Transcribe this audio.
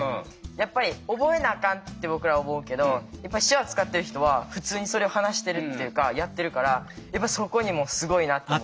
やっぱり覚えなあかんって僕ら思うけど手話使ってる人は普通にそれを話してるっていうかやってるからやっぱそこにもすごいなって思うし。